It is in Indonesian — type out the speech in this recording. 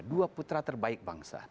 dua putra terbaik bangsa